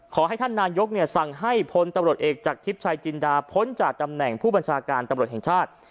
ขอให้ท่านนายกสั่งให้พลตำรวจเอกจากทิพย์ชายจินดาพ้นจากตำแหน่งผู้บัญชาการตำรวจแห่งชาติ